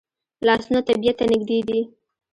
لاسونه طبیعت ته نږدې دي